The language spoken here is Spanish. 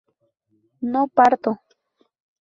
no parto